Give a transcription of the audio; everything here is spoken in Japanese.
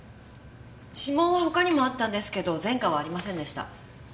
指紋は他にもあったんですけど前科はありませんでした。